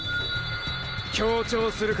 協調するか？